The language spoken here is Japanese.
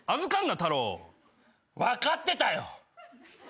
分かってたよ。